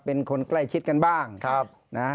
เป็นคนใกล้ชิดกันบ้าง